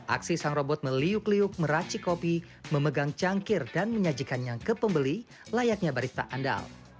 aksi sang robot meliuk liuk meracik kopi memegang cangkir dan menyajikannya ke pembeli layaknya barista andal